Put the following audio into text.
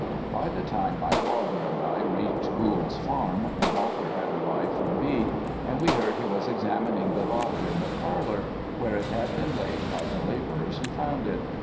"By the time my father and I reached Gould's farm, the doctor had arrived from B., and we heard he was examining the body in the parlour, where it had been laid by the labourers who found it.